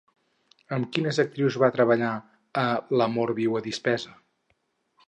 Amb quines actrius va treballar a L'amor viu a dispesa?